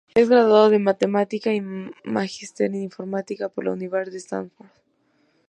Es graduado de matemática y magister en informática por la Universidad de Stanford.